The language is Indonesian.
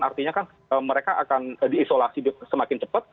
artinya kan mereka akan diisolasi semakin cepat